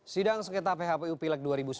sidang sekretar phpup lek dua ribu sembilan belas